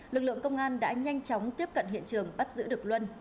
lực lượng công an đã nhanh chóng tiếp cận hiện trường bắt giữ được luân